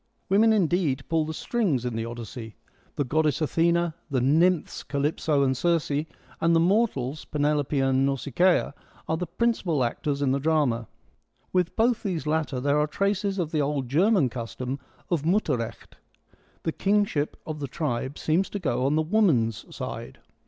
Women indeed pull the strings in the THE EARLY EPIC 9 Odyssey : the goddess Athena, the nymphs, I Calypso and Circe, and the mortals, Penelope and Nausicaa, are the principal actors in the drama. With both these latter there are traces of the old German custom of Mutterrecht : the kingship of the tribe seems to go on the woman's side.